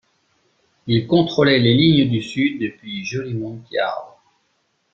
Il contrôlait les lignes du sud depuis Jolimont Yard.